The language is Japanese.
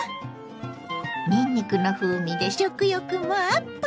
にんにくの風味で食欲もアップ！